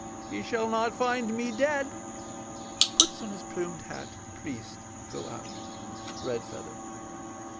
He shall not find me dead. [Puts on his plumed hat. The priests go out.] REDFEATHER.